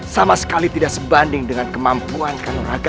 sama sekali tidak sebanding dengan kemampuan kandung ragam